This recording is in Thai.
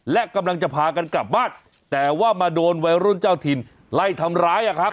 และกำลังจะพากันกลับบ้านแต่ว่ามาโดนวัยรุ่นเจ้าถิ่นไล่ทำร้ายอ่ะครับ